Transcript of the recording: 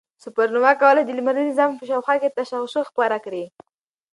سوپرنووا کولای شي د لمریز نظام په شاوخوا کې تشعشع خپره کړي.